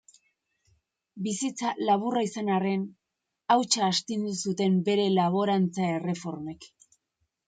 Bizitza laburra izan arren, hautsa astindu zuten bere laborantza-erreformek.